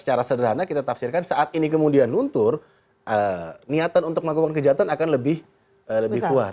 secara sederhana kita tafsirkan saat ini kemudian luntur niatan untuk melakukan kejahatan akan lebih kuat